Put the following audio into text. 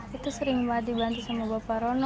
saya sering dibantu oleh bapak sarono